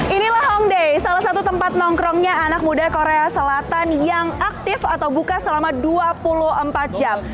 inilah hongday salah satu tempat nongkrongnya anak muda korea selatan yang aktif atau buka selama dua puluh empat jam